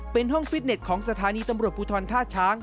เป็นห้องฟิตเน็ตของสถานีตำรวจภูทรท่าช้าง